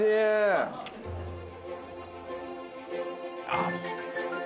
あっ。